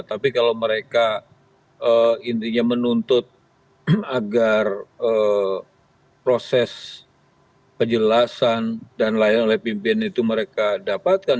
tapi kalau mereka intinya menuntut agar proses penjelasan dan layanan oleh pimpinan itu mereka dapatkan